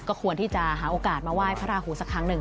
ควรที่จะหาโอกาสมาไหว้พระราหูสักครั้งหนึ่ง